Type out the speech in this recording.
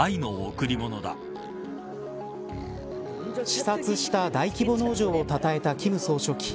視察した大規模農場をたたえた金総書記。